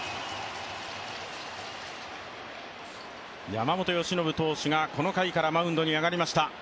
山本由伸投手がこの回からマウンドに上がりました。